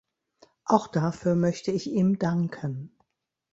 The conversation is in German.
Auch dafür möchte ich ihm danken.